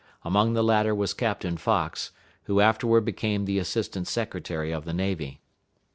Among the latter was Captain Fox, who afterward became the Assistant Secretary of the Navy.